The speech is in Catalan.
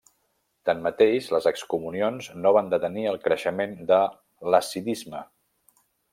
Tanmateix, les excomunions no van detenir el creixement de l'hassidisme.